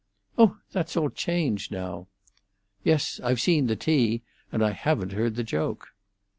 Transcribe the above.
'" "Oh, that's all changed now." "Yes; I've seen the tea, and I haven't heard the joke."